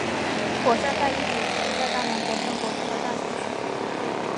火山带意指存在大量火山活动的大型区域。